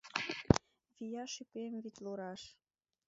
Вияш ӱпем витлураш.